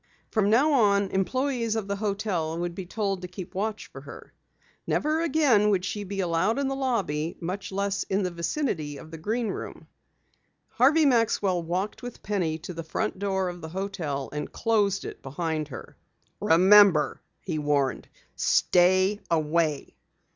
From now on employes of the hotel would be told to keep watch for her. Never again would she be allowed in the lobby, much less in the vicinity of the Green Room. Harvey Maxwell walked with Penny to the front door of the hotel and closed it behind her. "Remember," he warned, "stay away."